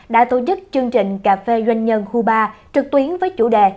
đã tổ chức chương trình cà phê doanh nhân hubar trực tuyến với chủ đề